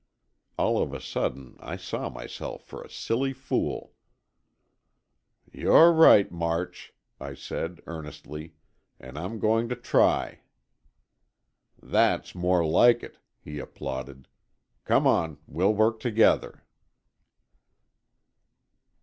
All of a sudden, I saw myself for a silly fool. "You're right, March," I said, earnestly; "and I'm going to try." "That's more like it," he applauded. "Come on, we'll work together."